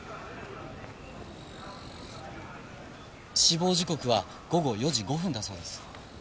死亡時刻は午後４時５分だそうです。